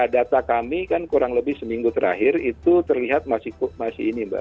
data kami kan kurang lebih seminggu terakhir itu terlihat masih ini mbak